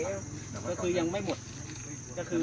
อย่างมัดไม่ต้องส่ง